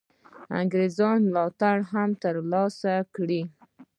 انګرېزانو ملاتړ هم تر لاسه کړي.